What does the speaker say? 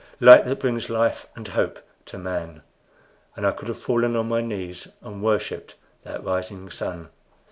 light that brings life and hope to man!" And I could have fallen on my knees and worshipped that rising sun.